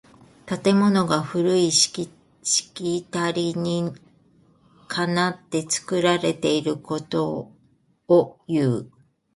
建物が古いしきたりにかなって作られていることをいう。